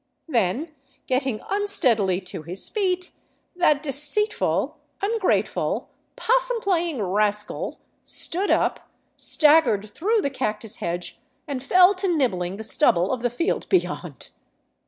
Then getting 419 VAGABONDING DOWN THE ANDES unsteadily to his feet, that deceitful, ungrateful, possum playing rascal stood up, staggered through the cactus hedge, and fell to nibbling the stubble of the field beyond!